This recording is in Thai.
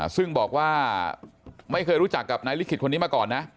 ซึ่งบอกว่าไม่เคยรู้จักกับนายลิขิตคนนี้มาก่อนนะ